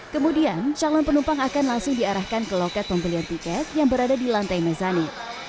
kemudian calon penumpang akan langsung diarahkan ke loket pembelian tiket yang berada di lantai mezzani